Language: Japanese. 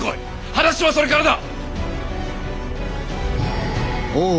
話はそれからだ！